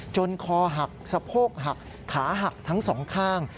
คอหักสะโพกหักขาหักทั้งสองข้าง